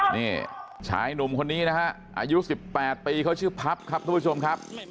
นี่ชายหนุ่มคนนี้นะฮะอายุ๑๘ปีเขาชื่อพับครับทุกผู้ชมครับ